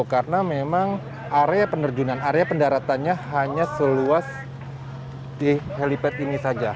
karena memang area penerjunan area pendaratannya hanya seluas di helipad ini saja